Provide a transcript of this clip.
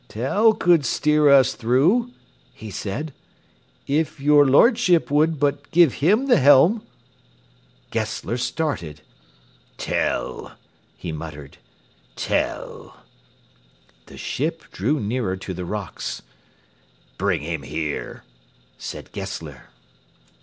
"Tell could steer us through," he said, "if your lordship would but give him the helm." Gessler started. "Tell!" he muttered. "Tell!" The ship drew nearer to the rocks. "Bring him here," said Gessler.